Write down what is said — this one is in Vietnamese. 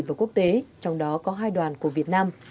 và quốc tế trong đó có hai đoàn của việt nam